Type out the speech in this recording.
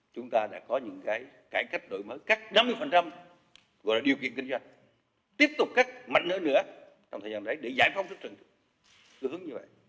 chúng ta đã có những cái cải cách đổi mới cắt năm mươi gọi là điều kiện kinh doanh tiếp tục cắt mạnh hơn nữa trong thời gian đấy để giải phóng sức trận